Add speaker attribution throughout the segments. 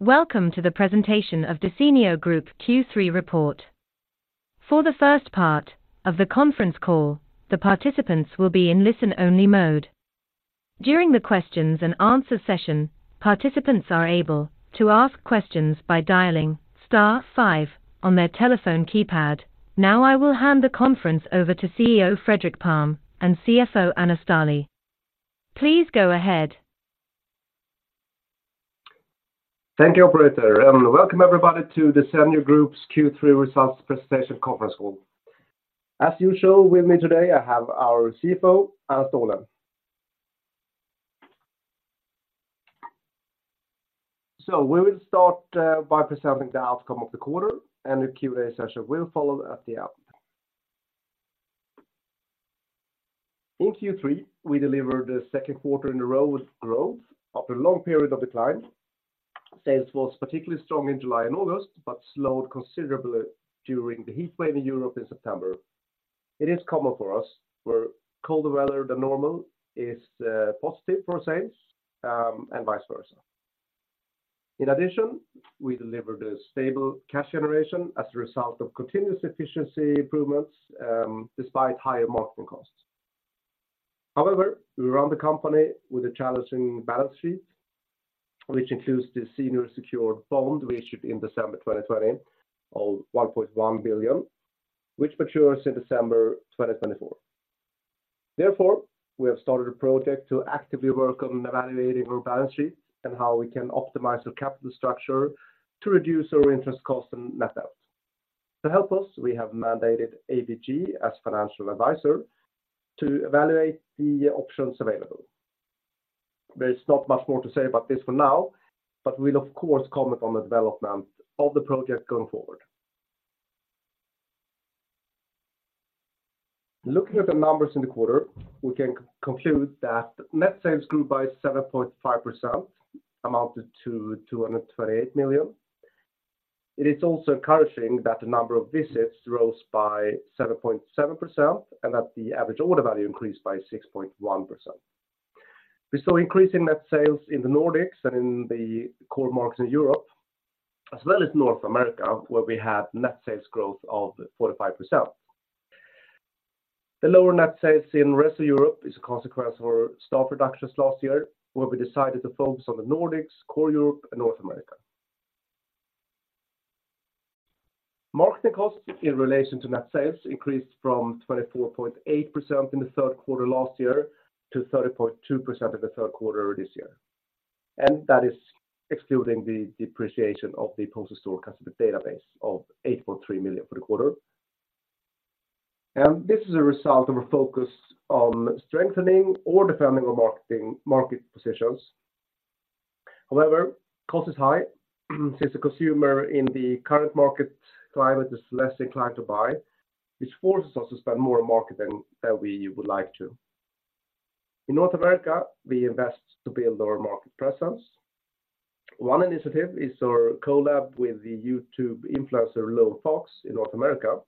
Speaker 1: Welcome to the presentation of Desenio Group Q3 report. For the first part of the conference call, the participants will be in listen-only mode. During the questions and answer session, participants are able to ask questions by dialing star five on their telephone keypad. Now, I will hand the conference over to CEO Fredrik Palm and CFO Anna Ståhle. Please go ahead.
Speaker 2: Thank you, operator, and welcome everybody to Desenio Group's Q3 results presentation conference call. As usual, with me today, I have our CFO, Anna Ståhle. We will start by presenting the outcome of the quarter, and the Q&A session will follow at the end. In Q3, we delivered the second quarter in a row with growth after a long period of decline. Sales was particularly strong in July and August, but slowed considerably during the heat wave in Europe in September. It is common for us, where colder weather than normal is positive for sales, and vice versa. In addition, we delivered a stable cash generation as a result of continuous efficiency improvements, despite higher marketing costs. However, we run the company with a challenging balance sheet, which includes the senior secured bond we issued in December 2020 of 1.1 billion, which matures in December 2024. Therefore, we have started a project to actively work on evaluating our balance sheet and how we can optimize our capital structure to reduce our interest costs and net out. To help us, we have mandated ABG as financial advisor to evaluate the options available. There's not much more to say about this for now, but we'll, of course, comment on the development of the project going forward. Looking at the numbers in the quarter, we can conclude that net sales grew by 7.5%, amounted to 228 million. It is also encouraging that the number of visits rose by 7.7% and that the average order value increased by 6.1%. We saw increasing net sales in the Nordics and in the core markets in Europe, as well as North America, where we have net sales growth of 45%. The lower net sales in rest of Europe is a consequence for staff reductions last year, where we decided to focus on the Nordics, Core Europe, and North America. Marketing costs in relation to net sales increased from 24.8% in the third quarter last year to 30.2% in the third quarter this year, and that is excluding the depreciation of the Postery customer database of 8.3 million for the quarter. This is a result of a focus on strengthening or defending our marketing, market positions. However, cost is high, since the consumer in the current market climate is less inclined to buy, which forces us to spend more on market than we would like to. In North America, we invest to build our market presence. One initiative is our collab with the YouTube influencer, Lil Fox, in North America,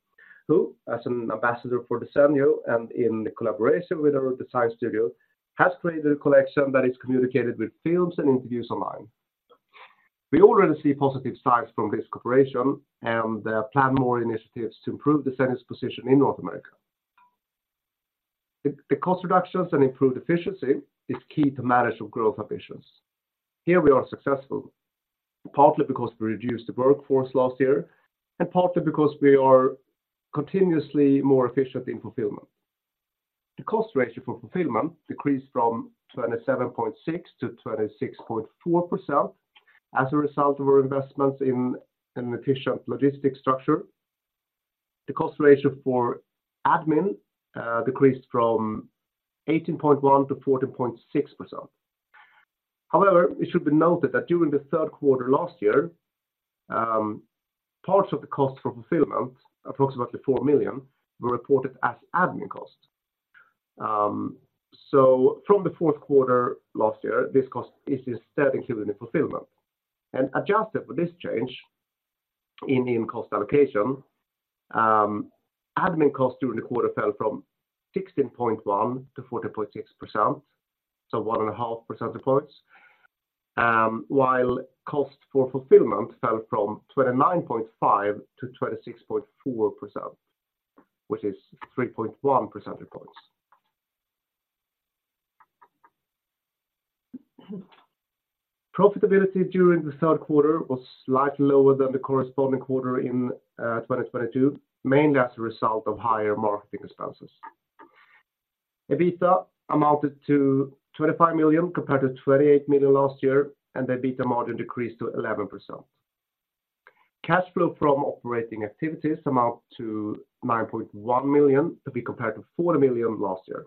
Speaker 2: who, as an ambassador for Desenio and in collaboration with our design studio, has created a collection that is communicated with films and interviews online. We already see positive signs from this cooperation and plan more initiatives to improve Desenio's position in North America. The cost reductions and improved efficiency is key to manage our growth ambitions. Here we are successful, partly because we reduced the workforce last year, and partly because we are continuously more efficient in fulfillment. The cost ratio for fulfillment decreased from 27.6% to 26.4% as a result of our investments in an efficient logistics structure. The cost ratio for admin decreased from 18.1% to 14.6%. However, it should be noted that during the third quarter last year, parts of the cost for fulfillment, approximately 4 million, were reported as admin costs. From the fourth quarter last year, this cost is instead included in the fulfillment. Adjusted for this change in cost allocation, admin costs during the quarter fell from 16.1% to 14.6%, so 1.5 percentage points, while cost for fulfillment fell from 29.5% to 26.4%, which is 3.1 percentage points. Profitability during the third quarter was slightly lower than the corresponding quarter in 2022, mainly as a result of higher marketing expenses. EBITDA amounted to 25 million, compared to 28 million last year, and the EBITDA margin decreased to 11%. Cash flow from operating activities amount to 9.1 million, to be compared to 40 million last year.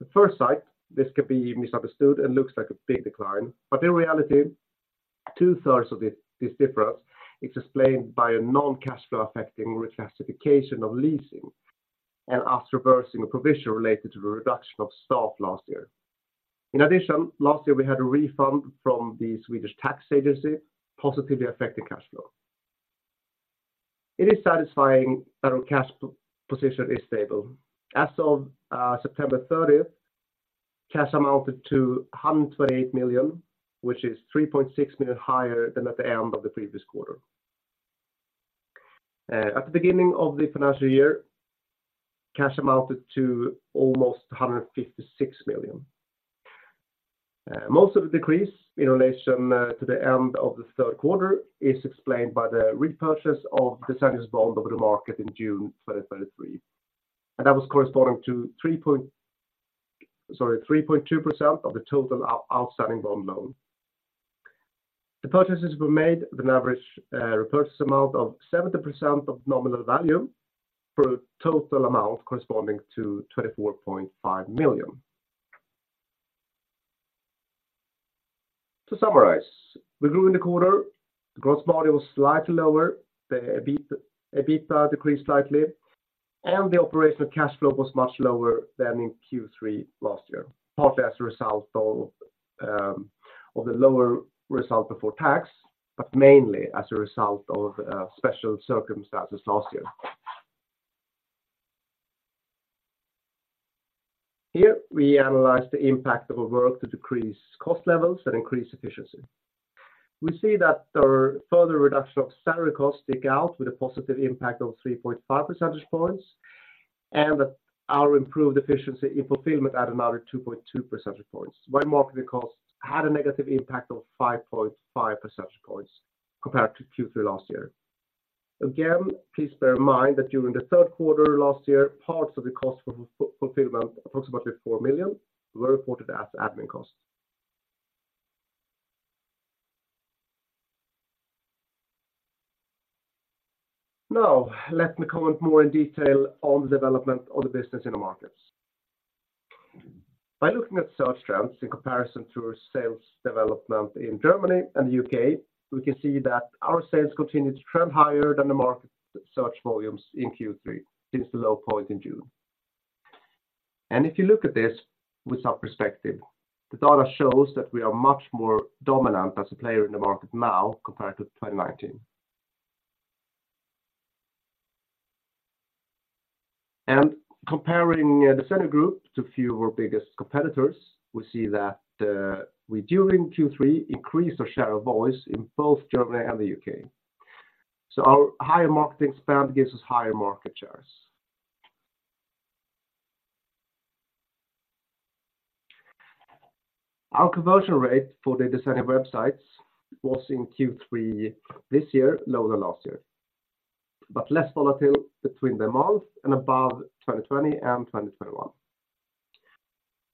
Speaker 2: At first sight, this could be misunderstood and looks like a big decline, but in reality, two-thirds of this, this difference is explained by a non-cash flow affecting reclassification of leasing and us reversing a provision related to the reduction of staff last year. In addition, last year, we had a refund from the Swedish Tax Agency, positively affecting cash flow. It is satisfying that our cash position is stable. As of September thirtieth, cash amounted to 128 million, which is 3.6 million higher than at the end of the previous quarter. At the beginning of the financial year, cash amounted to almost 156 million. Most of the decrease in relation to the end of the third quarter is explained by the repurchase of the Desenio's bond over the market in June 2033, and that was corresponding to 3.2% of the total outstanding bond loan. The purchases were made with an average repurchase amount of 70% of nominal value for a total amount corresponding to 24.5 million. To summarize, we grew in the quarter, the gross margin was slightly lower, the EBIT, EBITDA decreased slightly, and the operational cash flow was much lower than in Q3 last year, partly as a result of the lower result before tax, but mainly as a result of special circumstances last year. Here, we analyze the impact of our work to decrease cost levels and increase efficiency. We see that our further reduction of salary costs stick out with a positive impact of 3.5 percentage points, and that our improved efficiency in fulfillment added another 2.2 percentage points, while marketing costs had a negative impact of 5.5 percentage points compared to Q3 last year. Again, please bear in mind that during the third quarter last year, parts of the cost for fulfillment, approximately 4 million, were reported as admin costs. Now, let me comment more in detail on the development of the business in the markets. By looking at search trends in comparison to our sales development in Germany and the UK, we can see that our sales continue to trend higher than the market search volumes in Q3 since the low point in June. And if you look at this with some perspective, the data shows that we are much more dominant as a player in the market now compared to 2019. Comparing the Desenio Group to a few of our biggest competitors, we see that we during Q3 increased our share of voice in both Germany and the UK. Our higher marketing spend gives us higher market shares. Our conversion rate for the Desenio websites was in Q3 this year lower than last year, but less volatile between the month and above 2020 and 2021.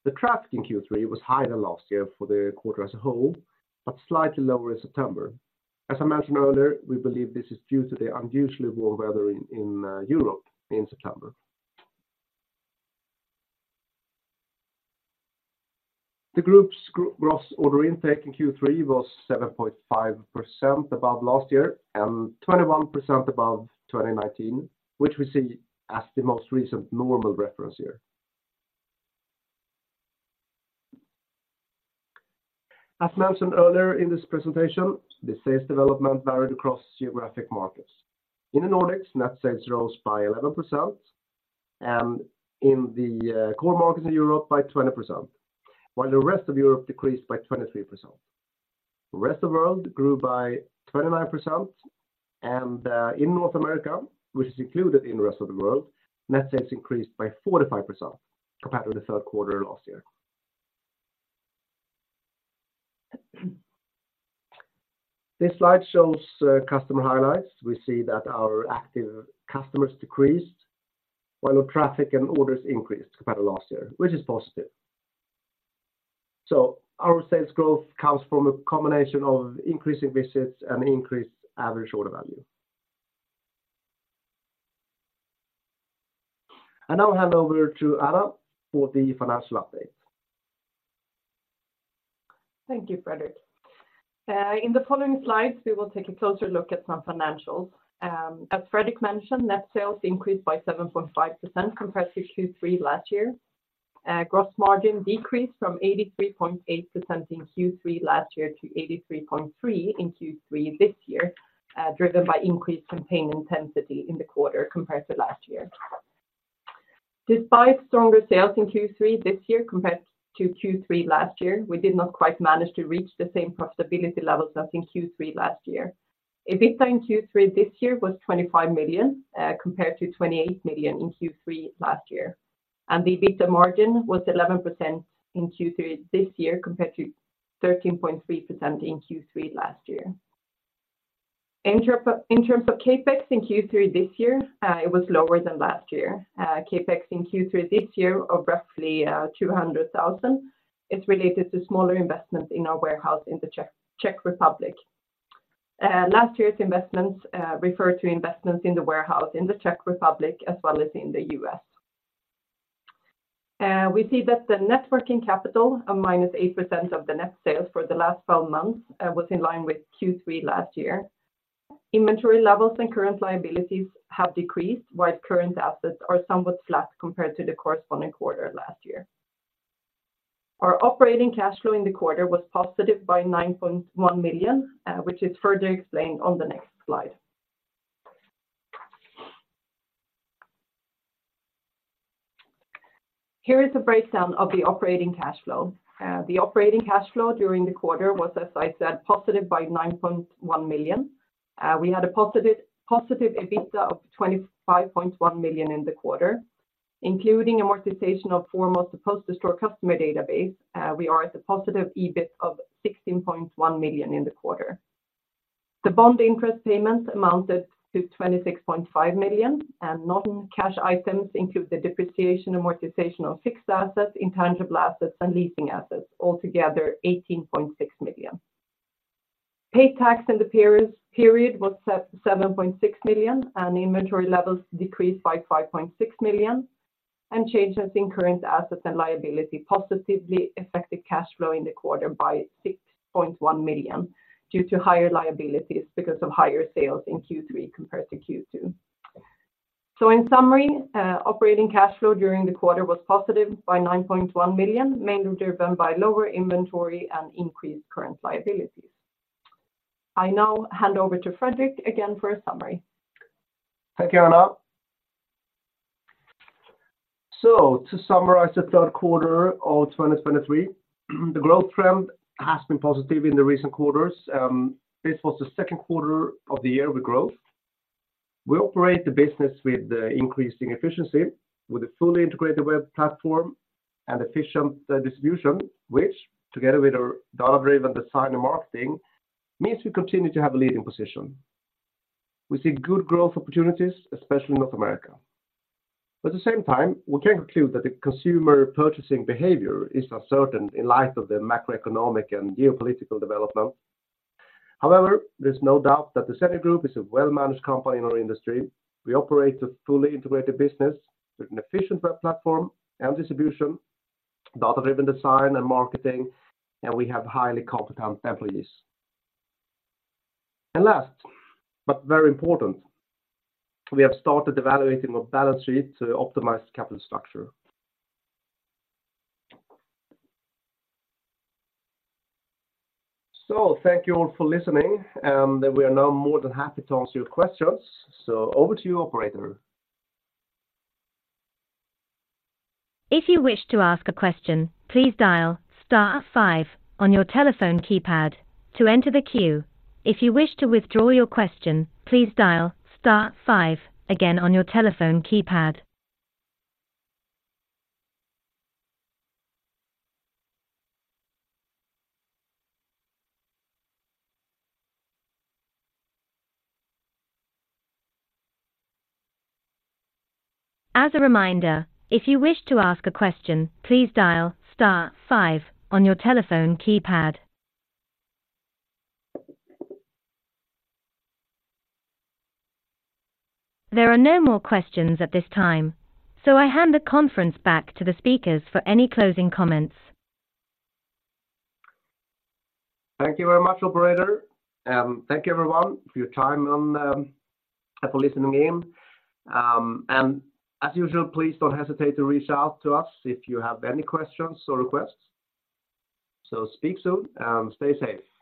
Speaker 2: The traffic in Q3 was higher than last year for the quarter as a whole, but slightly lower in September. As I mentioned earlier, we believe this is due to the unusually warm weather in Europe in September. The group's gross order intake in Q3 was 7.5% above last year and 21% above 2019, which we see as the most recent normal reference year. As mentioned earlier in this presentation, the sales development varied across geographic markets. In the Nordics, net sales rose by 11% and in the core markets in Europe by 20%, while the rest of Europe decreased by 23%. Rest of world grew by 29%, and in North America, which is included in the rest of the world, net sales increased by 45% compared to the third quarter last year. This slide shows customer highlights. We see that our active customers decreased, while the traffic and orders increased compared to last year, which is positive. So our sales growth comes from a combination of increasing visits and increased average order value. I'll hand over to Anna for the financial update.
Speaker 3: Thank you, Fredrik. In the following slides, we will take a closer look at some financials. As Fredrik mentioned, net sales increased by 7.5% compared to Q3 last year. Gross margin decreased from 83.8% in Q3 last year to 83.3% in Q3 this year, driven by increased campaign intensity in the quarter compared to last year. Despite stronger sales in Q3 this year compared to Q3 last year, we did not quite manage to reach the same profitability levels as in Q3 last year. EBITDA in Q3 this year was 25 million, compared to 28 million in Q3 last year, and the EBITDA margin was 11% in Q3 this year, compared to 13.3% in Q3 last year. In terms of CapEx in Q3 this year, it was lower than last year. CapEx in Q3 this year of roughly 200,000, it's related to smaller investments in our warehouse in the Czech Republic. Last year's investments refer to investments in the warehouse in the Czech Republic, as well as in the U.S. We see that the net working capital, -8% of the net sales for the last 12 months, was in line with Q3 last year. Inventory levels and current liabilities have decreased, while current assets are somewhat flat compared to the corresponding quarter last year. Our operating cash flow in the quarter was positive by 9.1 million, which is further explained on the next slide. Here is a breakdown of the operating cash flow. The operating cash flow during the quarter was, as I said, positive by 9.1 million. We had a positive, positive EBITDA of 25.1 million in the quarter, including amortization of four months Post Store customer database. We are at a positive EBIT of 16.1 million in the quarter. The bond interest payment amounted to 26.5 million, and non-cash items include the depreciation and amortization of fixed assets, intangible assets, and leasing assets, altogether 18.6 million. Paid tax in the period was 7.6 million, and inventory levels decreased by 5.6 million, and changes in current assets and liability positively affected cash flow in the quarter by 6.1 million due to higher liabilities because of higher sales in Q3 compared to Q2. In summary, operating cash flow during the quarter was positive by 9.1 million, mainly driven by lower inventory and increased current liabilities. I now hand over to Fredrik again for a summary.
Speaker 2: Thank you, Anna. To summarize the third quarter of 2023, the growth trend has been positive in the recent quarters. This was the second quarter of the year with growth. We operate the business with increasing efficiency, with a fully integrated web platform and efficient distribution, which, together with our data-driven design and marketing, means we continue to have a leading position. We see good growth opportunities, especially in North America. But at the same time, we can conclude that the consumer purchasing behavior is uncertain in light of the macroeconomic and geopolitical development. However, there's no doubt that the Desenio Group is a well-managed company in our industry. We operate a fully integrated business with an efficient web platform and distribution, data-driven design and marketing, and we have highly competent employees. Last, but very important, we have started evaluating our balance sheet to optimize capital structure. Thank you all for listening, and we are now more than happy to answer your questions. Over to you, operator.
Speaker 1: If you wish to ask a question, please dial star five on your telephone keypad to enter the queue. If you wish to withdraw your question, please dial star five again on your telephone keypad. As a reminder, if you wish to ask a question, please dial star five on your telephone keypad. There are no more questions at this time, so I hand the conference back to the speakers for any closing comments.
Speaker 2: Thank you very much, operator, and thank you, everyone, for your time and for listening in. And as usual, please don't hesitate to reach out to us if you have any questions or requests. So speak soon and stay safe.